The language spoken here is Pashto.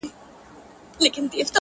په سیالانو ګاونډیانو کي پاچا وو -